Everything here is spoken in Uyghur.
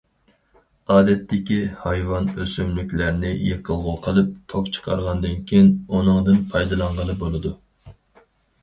ئادەتتىكى ھايۋان، ئۆسۈملۈكلەرنى يېقىلغۇ قىلىپ توك چىقارغاندىن كېيىن، ئۇنىڭدىن پايدىلانغىلى بولىدۇ.